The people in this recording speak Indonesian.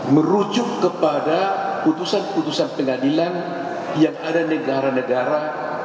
merujuk kepada putusan putusan pengadilan yang ada negara negara